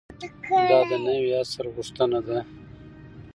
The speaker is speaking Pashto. دا د نوي عصر غوښتنه ده.